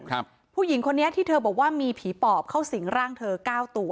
ผู้หญิงคนนี้ที่เธอบอกว่ามีผีปอบเข้าสิงร่างเธอเก้าตัว